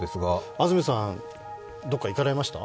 安住さん、どこか行かれました？